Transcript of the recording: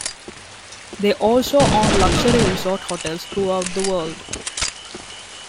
They also own luxury resort hotels throughout the world.